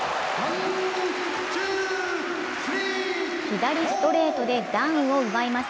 左ストレートでダウンを奪います。